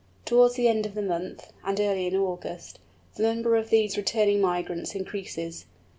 Towards the end of the month, and early in August, the number of these returning migrants increases.